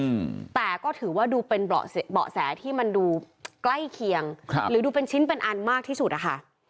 อืมแต่ก็ถือว่าดูเป็นเบาะเบาะแสที่มันดูใกล้เคียงครับหรือดูเป็นชิ้นเป็นอันมากที่สุดอะค่ะ